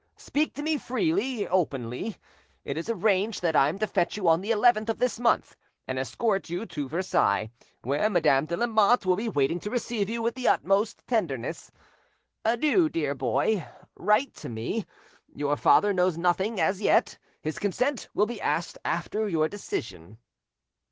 Speak to me freely, openly. It is arranged that I am to fetch you on the 11th of this month, and escort you to Versailles, where Madame de Lamotte will be waiting to receive you with the utmost tenderness. Adieu, dear boy; write to me. Your father knows nothing as yet; his consent will be asked after your decision."